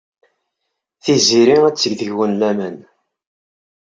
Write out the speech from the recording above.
Tiziri ad teg deg-wen laman.